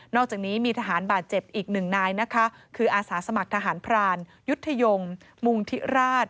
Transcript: อกจากนี้มีทหารบาดเจ็บอีกหนึ่งนายนะคะคืออาสาสมัครทหารพรานยุทธยงมุงธิราช